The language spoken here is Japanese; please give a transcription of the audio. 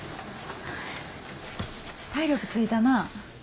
体力ついたな。